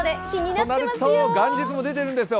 となると元日も出てるんですよ。